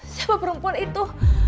siapa perempuan itu